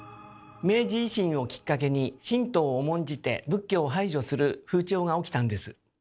明治維新をきっかけに神道を重んじて仏教を排除する風潮が起きたんです。